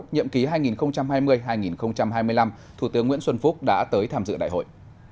nhiệm ký hai nghìn hai mươi hai nghìn hai mươi năm thủ tướng nguyễn xuân phúc đã tới tham dự đại hội